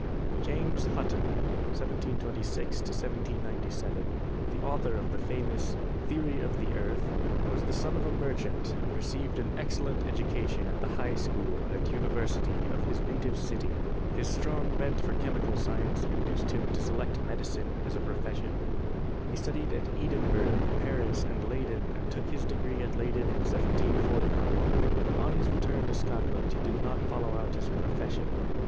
James Hutton (1726 1797), the author of the famous "Theory of the Earth," was the son of a merchant and received an excellent education at the High School and University of his native city. His strong bent for chemi cal science induced him to select medicine as a profession. He studied at Edinburgh, Paris and Leyden and took his degree at Leyden in 1749, but on his return to Scotland he did not follow out his profession.